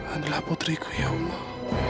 adalah putriku ya allah